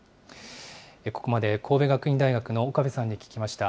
ここまで神戸学院大学の岡部さんに聞きました。